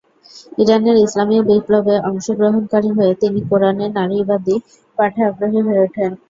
ইরানের ইসলামিক বিপ্লবে অংশগ্রহণকারী হয়ে তিনি কুরআনের নারীবাদী পাঠে আগ্রহী হয়ে ওঠেন।